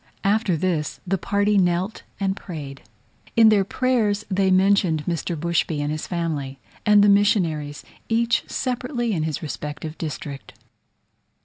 After this the party knelt and prayed: in their prayers they mentioned Mr. Bushby and his family, and the missionaries, each separately in his respective district.